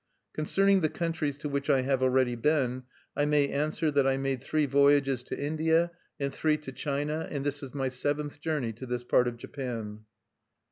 "Concerning the countries to which I have already been, I may answer that I made three voyages to India and three to China and this is my seventh journey to this part of Japan."